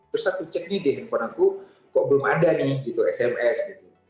terus aku cek nih deh handphone aku kok belum ada nih gitu sms gitu